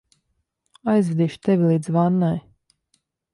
Aizvedīšu tevi līdz vannai.